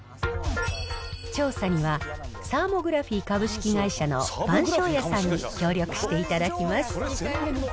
調査には、サーモグラフィ株式会社の番匠谷さんに協力していただきます。